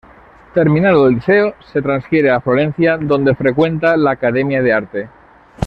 Terminado el liceo, se transfiere a Florencia, donde frecuenta la Academia de Arte.